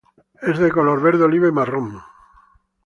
Es de color verde oliva y marrón.